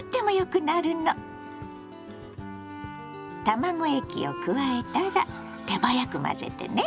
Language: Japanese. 卵液を加えたら手早く混ぜてね。